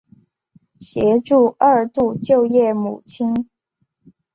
协助二度就业母亲